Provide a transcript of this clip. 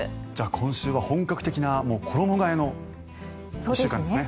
今週は本格的な衣替えの１週間ですね。